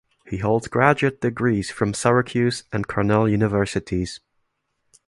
He holds graduate degrees from Syracuse and Cornell Universities.